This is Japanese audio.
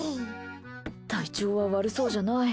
体調は悪そうじゃない。